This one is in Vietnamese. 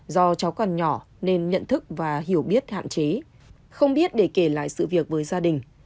do cháu còn nhỏ nên nhận thức và hiểu biết hạn chế không biết để kể lại sự việc với gia đình